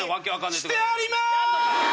してあります！